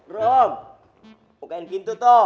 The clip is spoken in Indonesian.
rom bukan gitu toh